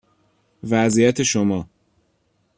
وضعیت شما،